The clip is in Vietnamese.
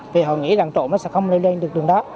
vì họ nghĩ rằng trộm nó sẽ không lên lên được đường đó